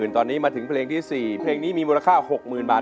ตอนนี้มาถึงเพลงที่๔เพลงนี้มีมูลค่า๖๐๐๐บาท